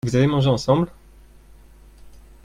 Vous avez mangé ensemble ?